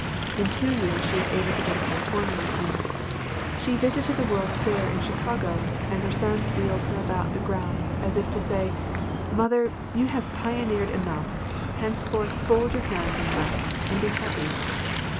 In two years she was able to go to California with me. She visited the World’s Fair in Chicago, and her sons wheeled her about the grounds as if to say: “Mother, you have pioneered enough; henceforth fold your hands and rest and be happy.